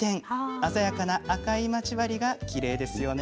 鮮やかな赤いまち針がきれいですよね。